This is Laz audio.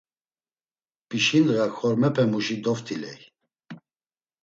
Pişindğa kormepemuşi doft̆iley.